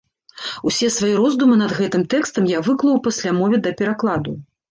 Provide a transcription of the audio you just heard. Усе свае роздумы над гэтым тэкстам я выклаў у паслямове да перакладу.